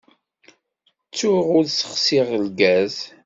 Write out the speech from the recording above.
Ttuɣ ur ssexsiɣ lgaz.